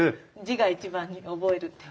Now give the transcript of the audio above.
字が一番に覚えるって。